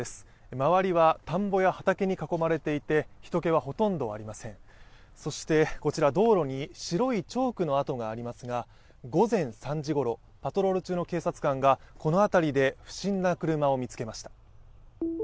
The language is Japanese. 周りは田んぼや畑に囲まれていて人けはほとんどありません、そして、道路に白いチョークの跡がありますが午前３時ごろ、パトロール中の警察官がこの辺りで不審な車を見つけました。